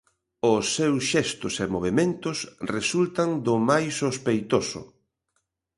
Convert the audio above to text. Os seus xestos e movementos resultan do máis sospeitoso.